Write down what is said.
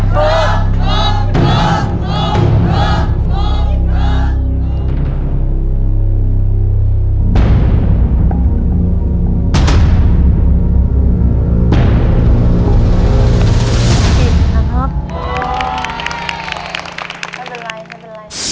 ก็เป็นไร